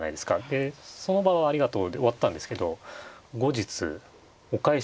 でその場はありがとうで終わったんですけど後日お返しを頂いてしまいまして。